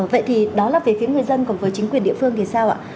vậy thì đó là về phía người dân cùng với chính quyền địa phương thì sao ạ